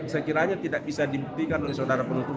sekiranya tidak bisa dibuktikan oleh saudara penutup